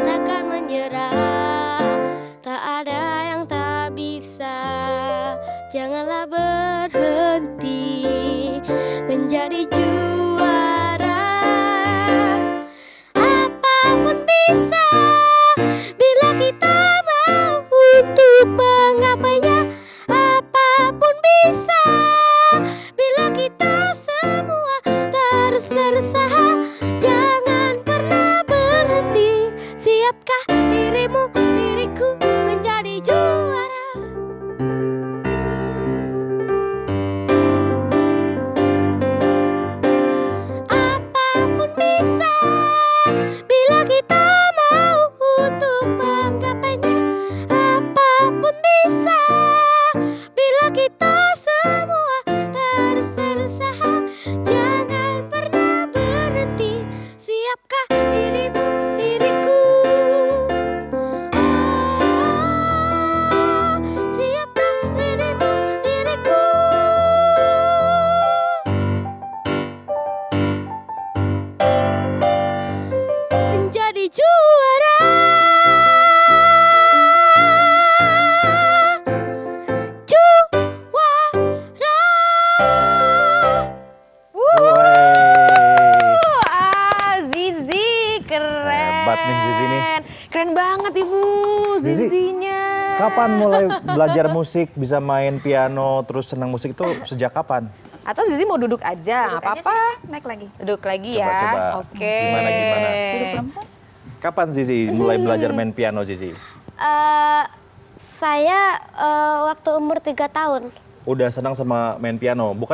apapun bisa bila kita mau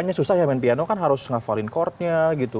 untuk menggapainya